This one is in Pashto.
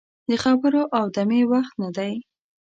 د خبرو او دمې وخت نه دی.